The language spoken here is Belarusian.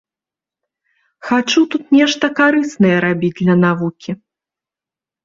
Хачу тут нешта карыснае рабіць для навукі.